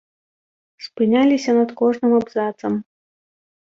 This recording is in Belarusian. Спыняліся над кожным абзацам.